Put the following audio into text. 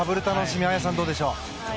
綾さん、どうでしょう？